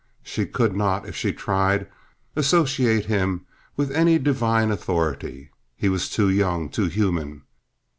She could not, if she tried, associate him with any divine authority. He was too young, too human.